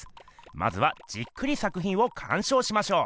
まずはじっくりさくひんをかんしょうしましょう。